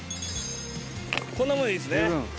こんなもんでいいですね。